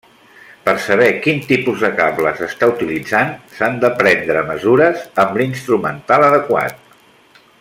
Per saber quin tipus de cable s'està utilitzant s'han de prendre mesures amb l'instrumental adequat.